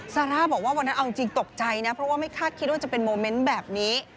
ซาร่าบอกว่าวันนั้นเอาจริงตกใจนะเพราะว่าไม่คาดคิดว่าจะเป็นโมเมนต์แบบนี้